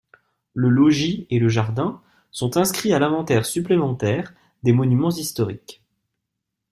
Le logis et le jardin sont inscrits à l'Inventaire Supplémentaire des Monuments historiques.